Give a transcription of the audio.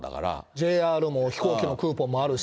ＪＲも飛行機のクーポンもあるし。